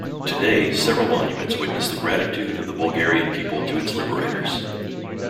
Today, several monuments witness the gratitude of the Bulgarian people to its liberators.